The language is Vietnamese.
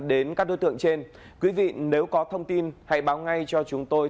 đến các đối tượng trên quý vị nếu có thông tin hãy báo ngay cho chúng tôi